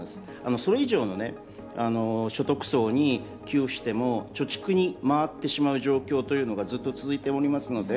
それ以上の所得層に給付しても貯蓄に回ってしまう状況がずっと続いておりますので。